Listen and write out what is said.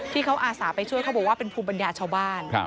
ที่เขาอาสาไปช่วยเขาบอกว่าเป็นภูมิปัญญาชาวบ้าน